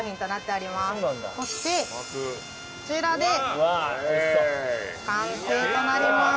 そしてこちらで完成となります。